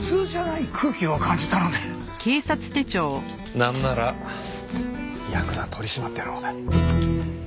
なんならヤクザ取り締まってるほうだ。